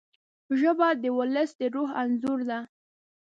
ژبه د ولس د روح انځور ده